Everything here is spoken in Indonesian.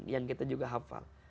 yang kita juga hafal